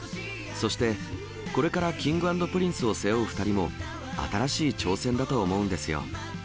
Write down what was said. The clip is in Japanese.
そしてこれからＫｉｎｇ＆Ｐｒｉｎｃｅを背負う２人も、新しい挑戦だと思うんですよ。